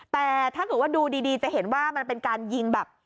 แต่ถ้าเกิดว่าดูดีจะเห็นว่ามันเป็นการยิงแบบ